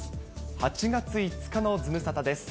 ８月５日のズムサタです。